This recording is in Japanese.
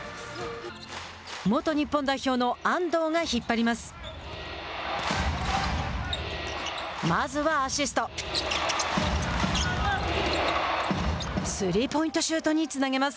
元日本代表の安藤が引っ張ります。